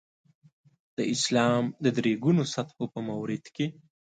د اسلام د درې ګونو سطحو په مورد کې.